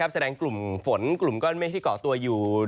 แสดงกลุ่มฝนกลุ่มก้อนเมฆที่เกาะตัวอยู่